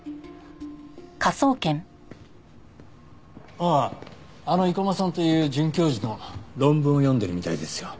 あああの生駒さんという准教授の論文を読んでるみたいですよ。